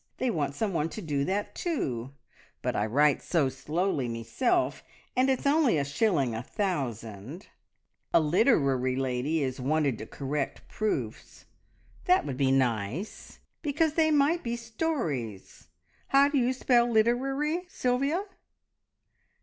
They want someone to do that too, but I write so slowly meself, and it's only a shilling a thousand. A literery lady is wanted to correct proofs. That would be nice, because they might be stories. How do you spell `literery', Sylvia?"